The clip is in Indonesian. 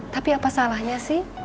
tapi apa salahnya sih